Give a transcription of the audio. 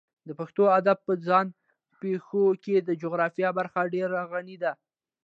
د پښتو ادب په ځان پېښو کې د جغرافیې برخه ډېره غني ده.